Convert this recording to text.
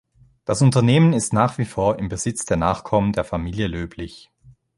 Das Unternehmen ist nach wie vor im Besitz der Nachkommen der Familie Löblich.